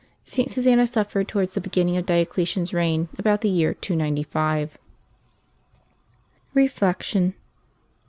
St. Susanna suffered towards the beginning of Diocletian's reign, about the year 295. Reflection.